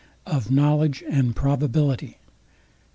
OF KNOWLEDGE AND PROBABILITY.